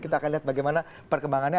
kita akan lihat bagaimana perkembangannya